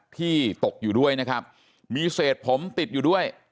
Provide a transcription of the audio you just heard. ที่ตกอยู่ด้วยนะครับมีเศษผมติดอยู่ด้วย